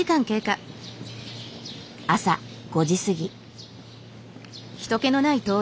朝５時過ぎ。